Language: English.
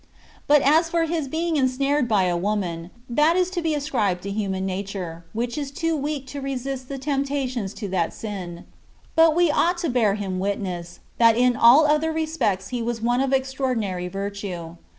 But as for his being ensnared by a woman, that is to be ascribed to human nature, which is too weak to resist the temptations to that sin; but we ought to bear him witness, that in all other respects he was one of extraordinary virtue.